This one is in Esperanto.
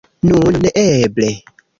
Nun neeble!